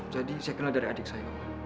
jadi saya kenal dari adik saya